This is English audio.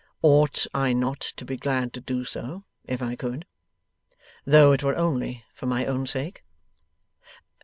'Ought I not to be glad to do so, if I could: though it were only for my own sake?